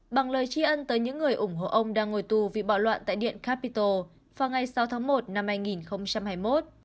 bằng lời tri ân tới những người ủng hộ ông đang ngồi tù vì bạo loạn tại điện capito vào ngày sáu tháng một năm hai nghìn hai mươi một